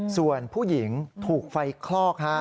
ส่วนผู้หญิงถูกไฟคลอก